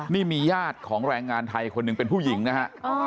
นี่มีญาติของแรงงานไทยคนหนึ่งเป็นผู้หญิงนะฮะ